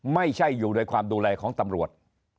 ไม่ใช่อยู่ในความดูแลของตำรวจ